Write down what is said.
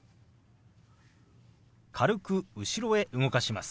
軽く後ろへ動かします。